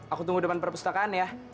aku tunggu depan perpustakaan ya